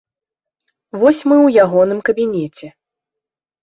Вось мы ў ягоным кабінеце.